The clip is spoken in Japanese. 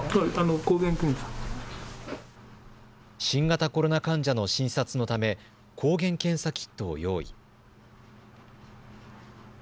新型コロナ患者の診察のため抗原検査キットを用意。